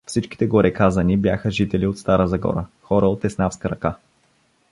Всичките гореказани бяха жители от Стара Загора, хора от еснафска ръка.